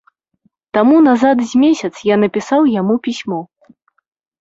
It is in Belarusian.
Таму назад з месяц я напісаў яму пісьмо.